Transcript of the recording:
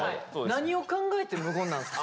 何を考えて無言なんすか？